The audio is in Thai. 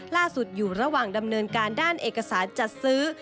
ล่าสุดอยู่ระหว่างดำเนินการด้านเอกสารจัดซื้อ